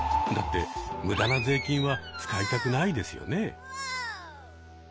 だって無駄な税金は使いたくないですよね。